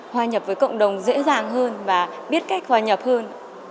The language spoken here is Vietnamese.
hòa nhập với cộng đồng dễ dàng hơn và biết cách hòa nhập hơn